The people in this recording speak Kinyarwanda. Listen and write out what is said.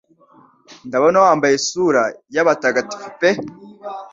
Ndabona wambaye isura yabatagatifu pe